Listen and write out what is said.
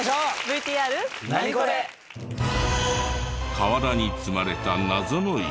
河原に積まれた謎の石。